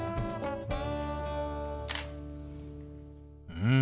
うん。